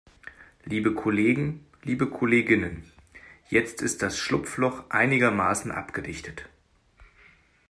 Liebe Kollegen, liebe Kolleginnen, jetzt ist das Schlupfloch einigermaßen abgedichtet.